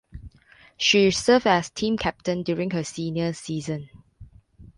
She served as team captain during her senior season.